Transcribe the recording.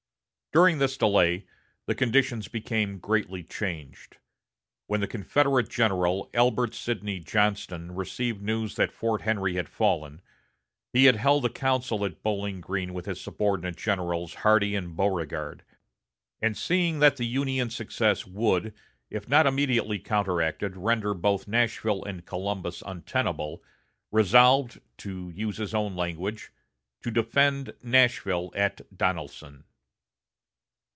During this delay, the conditions became greatly changed. When the Confederate General Albert Sidney Johnston received news that Fort Henry had fallen, he held a council at Bowling Green with his subordinate generals Hardee and Beauregard, and seeing that the Union success would, if not immediately counteracted, render both Nashville and Columbus untenable, resolved, to use his own language, "To defend Nashville at Donelson."